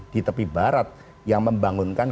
di tepi barat yang membangunkan